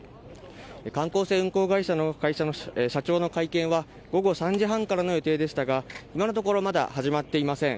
観光船運航会社の社長の会見は午後３時半からの予定でしたが今のところ、まだ始まっていません。